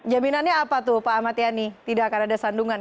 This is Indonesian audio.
jaminannya apa tuh pak ahmad yani tidak akan ada sandungan